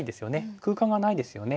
空間がないですよね。